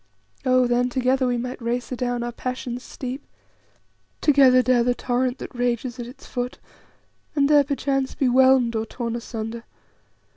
"Oh, then together we might race adown our passions' steep; together dare the torrent that rages at its foot, and there perchance be whelmed or torn asunder.